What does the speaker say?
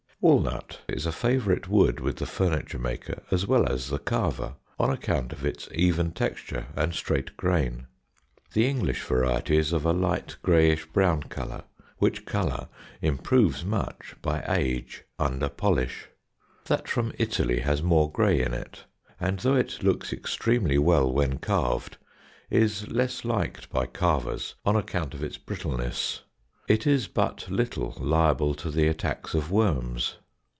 Walnut is a favourite wood with the furniture maker, as well as the carver, on account of its even texture and straight grain. The English variety is of a light grayish brown colour, which colour improves much by age under polish. That from Italy has more gray in it, and though it looks extremely well when carved is less liked by carvers on account of its brittleness. It is but little liable to the attacks of worms.